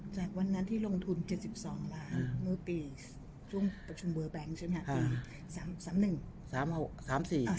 จากวันนั้นที่ลงทุน๗๒ล้านเมื่อปีช่วงประชุมเบอร์แบงค์ใช่ไหมครับ